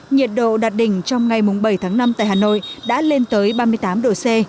nhiệt độ đạt đỉnh trong ngày bảy tháng năm tại hà nội đã lên tới ba mươi tám độ c